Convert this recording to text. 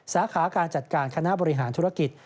สาขาการจัดการคณะบริหารธุรกิจ